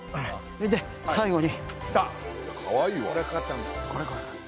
見て、最後に。